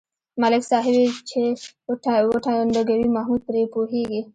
ملک صاحب یې چې و ټنگوي محمود پرې پوهېږي.